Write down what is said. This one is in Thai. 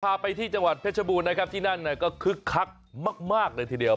พาไปที่จังหวัดเพชรบูรณนะครับที่นั่นก็คึกคักมากเลยทีเดียว